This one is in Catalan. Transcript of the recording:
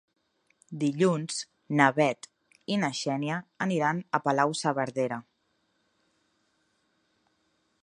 Dilluns na Bet i na Xènia aniran a Palau-saverdera.